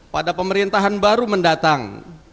pada pemerintahan baru mendatang